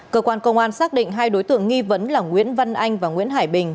cơ quan công an xác định hai đối tượng nghi vấn là nguyễn văn anh và nguyễn hải bình